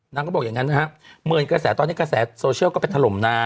นางก็บอกอย่างนั้นนะครับเหมือนกระแสตอนนี้กระแสโซเชียลก็ไปถล่มนา